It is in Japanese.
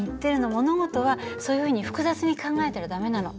物事はそういうふうに複雑に考えたら駄目なの。